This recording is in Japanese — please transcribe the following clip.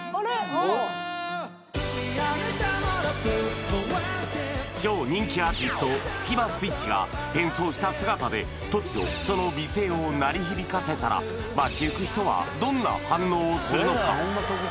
ぶっ壊して超人気アーティストスキマスイッチが変装した姿で突如その美声を鳴り響かせたら街行く人はどんな反応をするのか！？